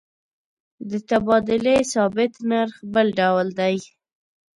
د تبادلې ثابت نرخ بل ډول دی.